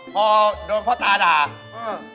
พอโดนพ่อตาด่าเออ